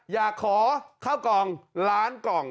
อยากขอข้าวกล่องล้านกล่อง